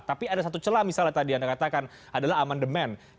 tapi ada satu celah misalnya tadi anda katakan adalah amandemen